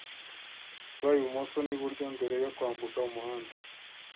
Reba ibumoso n'iburyo mbere yo kwambuka umuhanda.